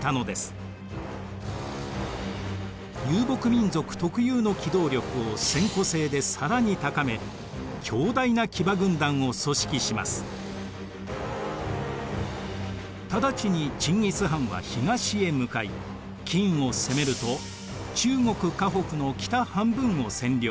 遊牧民族特有の機動力を千戸制で更に高め直ちにチンギス・ハンは東へ向かい金を攻めると中国・華北の北半分を占領。